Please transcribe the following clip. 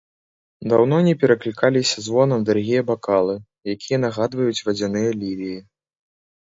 Даўно не пераклікаліся звонам дарагія бакалы, якія нагадваюць вадзяныя лілеі.